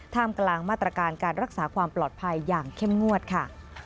กลางมาตรการการรักษาความปลอดภัยอย่างเข้มงวดค่ะ